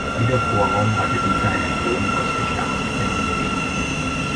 Wie der Vorraum hatte dieser einen Boden aus gestampftem Lehm.